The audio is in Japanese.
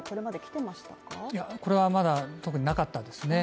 いや、これはまだ特になかったですね。